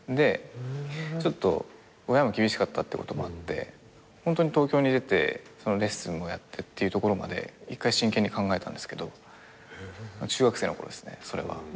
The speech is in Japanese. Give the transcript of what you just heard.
ちょっと親も厳しかったってこともあって東京に出てレッスンをやってっていうところまで一回真剣に考えたんですけど中学生のころですねそれは。